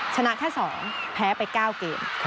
ชนะแค่๒แพ้ไป๙เกม